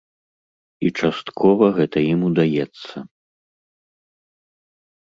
І часткова гэта ім удаецца.